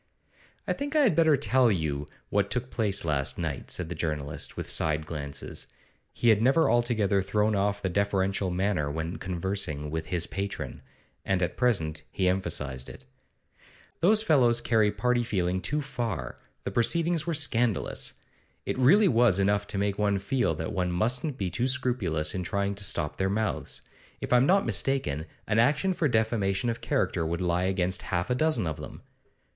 'I think I had better tell you what took place last night,' said the journalist, with side glances. He had never altogether thrown off the deferential manner when conversing with his patron, and at present he emphasised it. 'Those fellows carry party feeling too far; the proceedings were scandalous. It really was enough to make one feel that one mustn't be too scrupulous in trying to stop their mouths. If I'm not mistaken, an action for defamation of character would lie against half a dozen of them.